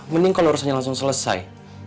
mending kalau urusannya langsung selesai